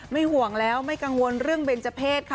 ห่วงแล้วไม่กังวลเรื่องเบนเจอร์เพศค่ะ